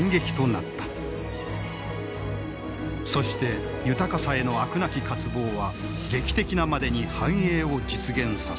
そして豊かさへの飽くなき渇望は劇的なまでに繁栄を実現させた。